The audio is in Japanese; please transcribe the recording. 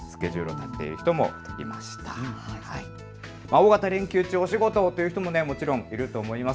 大型連休中、お仕事という人ももちろんいると思います。